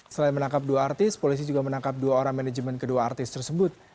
selain menangkap dua artis polisi juga menangkap dua orang manajemen kedua artis tersebut